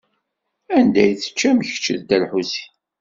Anda i teččam kečč d Dda Lḥusin?